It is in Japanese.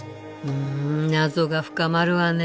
うん謎が深まるわね。